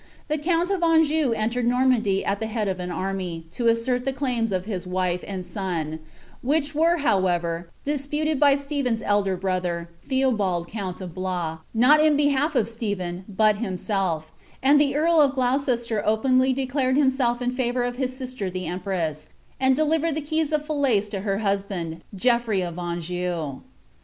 * The count of Anjou entered Normandy at the head of an army, to assert the claims of his wife and son ; which were, however, disputed by Stephen's elder brother, Theo bald count of Blois, not in behalf of Stephen, but himself; and the earl of Gloucester openly declared himself in favour of his sister the em press, and delivered the keys of Falaise to her husband, Geoffrey of Anjou.'